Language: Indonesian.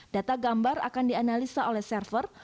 data gambar akan dianalisa oleh server